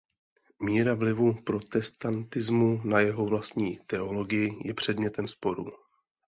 Míra vlivu protestantismu na jeho vlastní teologii je předmětem sporů.